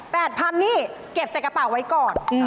๘๐๐๐บาทนี่เก็บใส่กระเป๋าไว้ก่อน